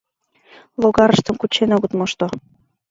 Логарыштым кучен огыт мошто.